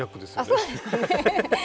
あっそうですね。